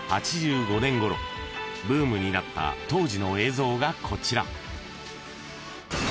［ブームになった当時の映像がこちら］